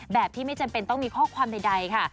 แบบที่ไม่จำเป็นต้องมีข้อความใดค่ะ